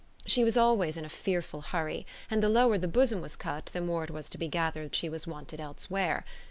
She was always in a fearful hurry, and the lower the bosom was cut the more it was to be gathered she was wanted elsewhere.